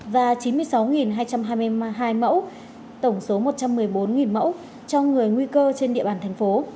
và chín mươi sáu hai trăm hai mươi hai mẫu tổng số một trăm một mươi bốn cho người tại các khu vực có nguy cơ